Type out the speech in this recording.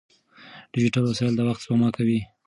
ډیجیټل وسایل د وخت سپما کوي.